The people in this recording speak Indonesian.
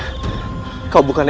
sebagai pembawa ke dunia